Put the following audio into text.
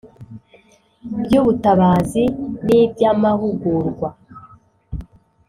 by ubutabazi n iby amahugurwa